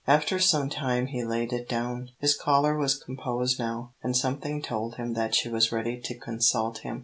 After some time he laid it down. His caller was composed now, and something told him that she was ready to consult him.